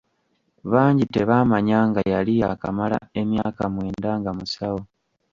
Bangi tebaamanya nga yali yaakamala emyaka mwenda nga musawo.